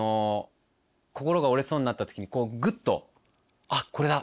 心が折れそうになった時にこうグッとあっこれだ。